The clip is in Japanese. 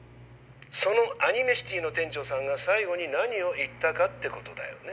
そのアニメシティの店長さんが最後に何を言ったかってことだよね？